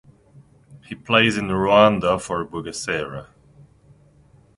He plays in Rwanda for Bugesera.